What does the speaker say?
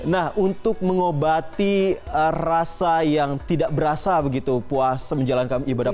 nah untuk mengobati rasa yang tidak berasa begitu puasa menjalankan ibadah puasa